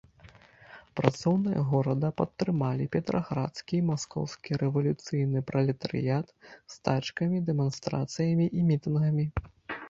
Працоўныя горада падтрымалі петраградскі і маскоўскі рэвалюцыйны пралетарыят стачкамі, дэманстрацыямі і мітынгамі.